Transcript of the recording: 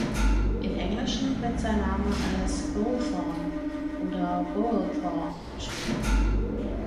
Im Englischen wird sein Name als Bolthorn oder Boelthor geschrieben.